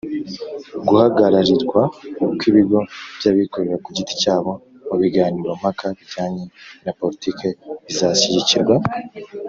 guhagararirwa kw'ibigo by'abikorera ku giti cyabo mu biganiro mpaka bijyanye na politiki bizashyigikirwa